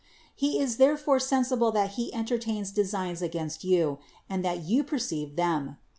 lie is therefore sensible that he enter tains designs against you, and that you perceive them.